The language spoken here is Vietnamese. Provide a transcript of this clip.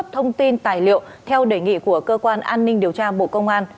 bộ giao thông vận tải có thông tin tài liệu theo đề nghị của cơ quan an ninh điều tra bộ công an